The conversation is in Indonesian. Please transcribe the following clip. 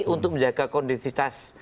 untuk menjaga konditivitas